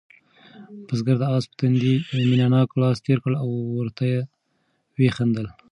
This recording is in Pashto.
بزګر د آس په تندي مینه ناک لاس تېر کړ او ورته ویې خندل.